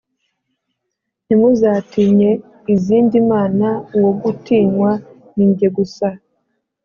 Ntimuzatinye izindi mana uwo gutinywa ninjye gusa